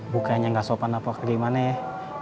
bukannya gak sopan apa apa gimana ya